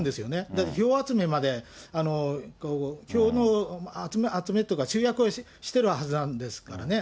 だって票集めまで、票の集めというか、集約をしてるはずなんですからね。